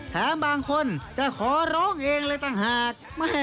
บางคนจะขอร้องเองเลยต่างหาก